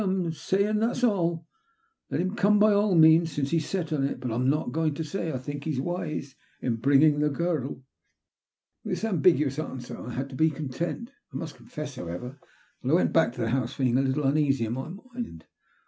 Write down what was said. Fm na' sayin* that at alL Let him come by all means since he's set on it. But I'm not going to say I think he's wise in bringing the girl." With this ambiguous answer I had to be content I must confess, however, that I went back to the house feeling a little uneasy in my mind.